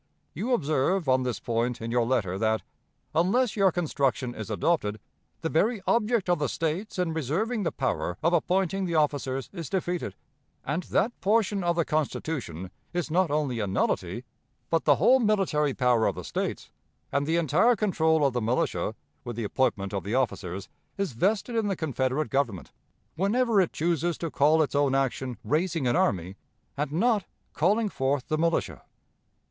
You observe on this point in your letter that, unless your construction is adopted, 'the very object of the States in reserving the power of appointing the officers is defeated, and that portion of the Constitution is not only a nullity, but the whole military power of the States, and the entire control of the militia, with the appointment of the officers, is vested in the Confederate Government, whenever it chooses to call its own action "raising an army," and not "calling forth the militia."'